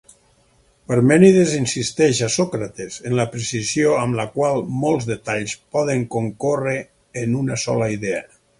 Parmènides insisteix a Sòcrates en la precisió amb la qual molts detalls poden concórrer en una sola idea.